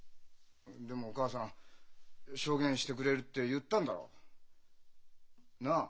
でもお母さん証言してくれるって言ったんだろ？なあ？